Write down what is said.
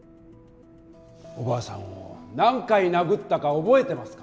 おばあさんを何回殴ったか覚えてますか？